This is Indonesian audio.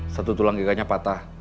satu tulang giganya patah